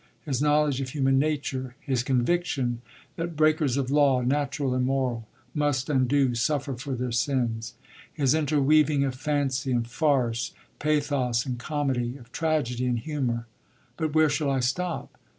His knowledge of human nature. His conviction that breakers of law, natural and moral, must and do suffer for their sins. His inter weaving of fancy and farce, pathos and comedy, of tragedy and humour. But where shall I stop?